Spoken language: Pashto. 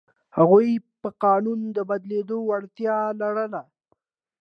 هغوی په قانون د بدلېدو وړتیا لرله.